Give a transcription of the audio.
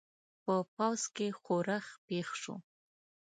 په پوځ کې ښورښ پېښ شو.